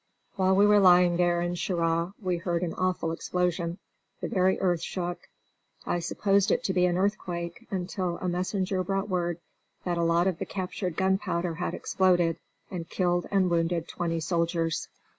While we were lying there in Cheraw we heard an awful explosion; the very earth shook. I supposed it to be an earthquake until a messenger brought word that a lot of captured gunpowder had exploded and killed and wounded twenty soldiers.